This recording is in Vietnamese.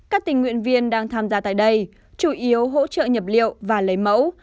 các tình nguyện viên đang tham gia tại đây chủ yếu hỗ trợ nhập liệu và lấy mẫu